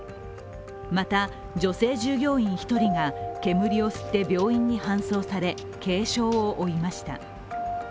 また女性従業員１人が煙を吸って病院に搬送され軽傷を負いました。